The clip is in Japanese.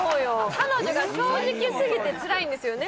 彼女が正直すぎてつらいんですよね？